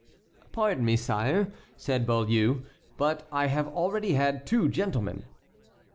"Pardon me, sire," said Beaulieu, "but I have already had two gentlemen."